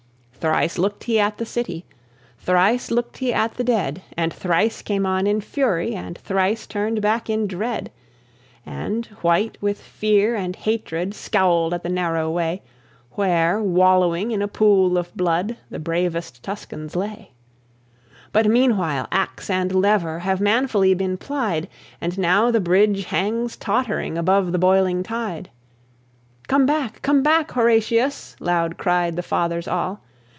Thrice looked he at the city; Thrice looked he at the dead; And thrice came on in fury, And thrice turned back in dread: And, white with fear and hatred, Scowled at the narrow way Where, wallowing in a pool of blood, The bravest Tuscans lay. But meanwhile ax and lever Have manfully been plied, And now the bridge hangs tottering Above the boiling tide. "Come back, come back, Horatius!" Loud cried the Fathers all.